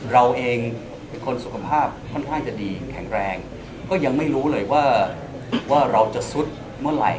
เราเองเป็นคนสุขภาพค่อนข้างจะดีแข็งแรงก็ยังไม่รู้เลยว่าเราจะซุดเมื่อไหร่